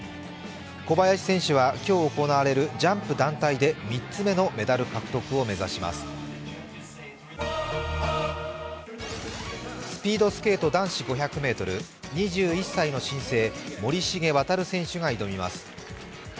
小林選手は今日行われるジャンプ団体で３つ目のメダルを獲得を目指しますスピードスケート男子５００ｍ２１歳の新星森重航選手が挑みます。